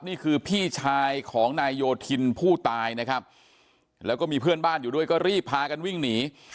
นี่คือพี่ชายของนายโยธินผู้ตายนะครับแล้วก็มีเพื่อนบ้านอยู่ด้วยก็รีบพากันวิ่งหนี